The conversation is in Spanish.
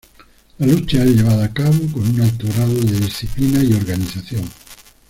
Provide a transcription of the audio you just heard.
La lucha es llevada a cabo con un alto grado de disciplina y organización.